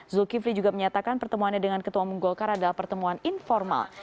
zulkifli juga menyatakan pertemuannya dengan ketua umum golkar adalah pertemuan informal